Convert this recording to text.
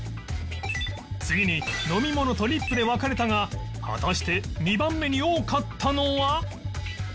次に飲み物とリップで分かれたが果たして２番目に多かったのは